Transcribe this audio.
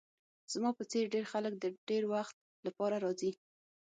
زما په څیر ډیر خلک د ډیر وخت لپاره راځي